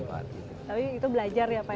tapi itu belajar ya pak